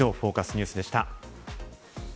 ニュースでした。